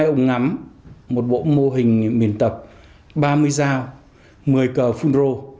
hai ống ngắm một bộ mô hình miền tập ba mươi dao một mươi cờ phun rô